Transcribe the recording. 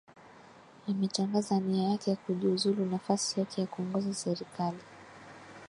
ametangaza nia yake ya kujiuzulu nafasi yake ya kuongoza serikali